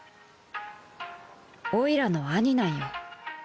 オイラの兄なんよ。